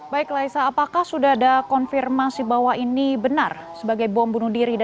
baik laisa apakah sudah ada konfirmasi bahwa ini benar sebagai bom bunuh diri